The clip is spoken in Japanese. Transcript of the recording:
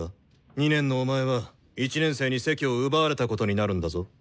２年のお前は１年生に席を奪われたことになるんだぞ。